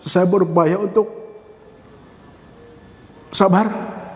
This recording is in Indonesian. saya berupaya untuk sabar